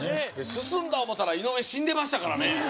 進んだ思うたら井上死んでましたからね